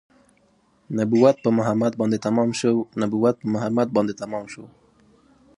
نبوت په محمد باندې تمام شو نبوت په محمد باندې تمام شو